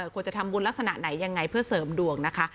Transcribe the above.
ควรจะทำบุญลักษณะไหนยังไงเพื่อเสริมดวงนะคะ